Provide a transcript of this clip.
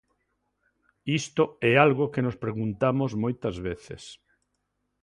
Isto é algo que nos preguntamos moitas veces.